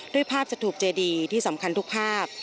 ด้วยภาพสถูปเจดีที่สำคัญทุกภาพ